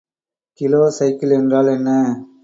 Kilocycle என்றால் என்ன?